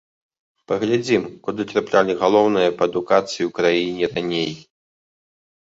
Паглядзім, куды траплялі галоўныя па адукацыі ў краіне раней.